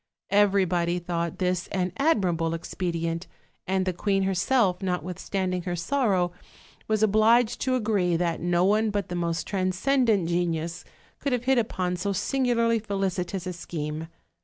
Everybody thought this an admirable expedient, and the queen herself, notwithstand ing her sorrow, was obliged to agree that no one but the most transcendent genius could have hit upon so singu larly felicitous a scheme.